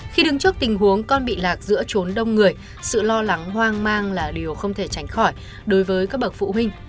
khi đứng trước tình huống con bị lạc giữa trốn đông người sự lo lắng hoang mang là điều không thể tránh khỏi đối với các bậc phụ huynh